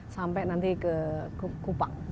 sampai nanti ke kupang